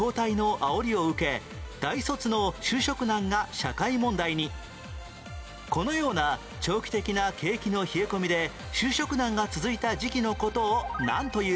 ２９年前このような長期的な景気の冷え込みで就職難が続いた時期の事をなんという？